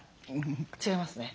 違いますね。